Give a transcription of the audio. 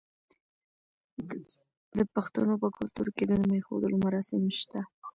د پښتنو په کلتور کې د نوم ایښودلو مراسم شته.